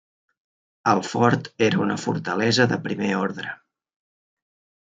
El fort era una fortalesa de primer ordre.